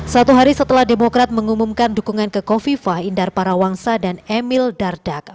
satu hari setelah demokrat mengumumkan dukungan ke kofifah indar parawangsa dan emil dardak